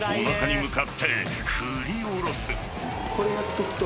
これやっとくと。